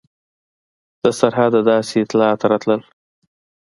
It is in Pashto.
د سرحده داسې اطلاعات راتلل.